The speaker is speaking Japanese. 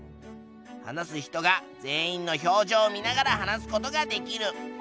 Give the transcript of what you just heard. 話す人が全員の表情を見ながら話すことができる。